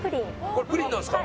これプリンなんすか？